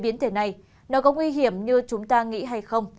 biến thể này nó có nguy hiểm như chúng ta nghĩ hay không